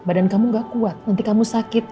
badan kamu gak kuat nanti kamu sakit